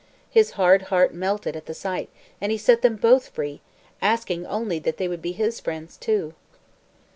His hard heart melted at the sight, and he set them both free, asking only that they would be his friends, also.